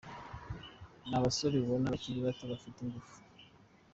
Ni abasore ubona bakiri bato, bafite ingufu.